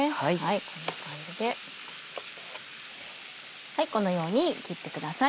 こんな感じでこのように切ってください。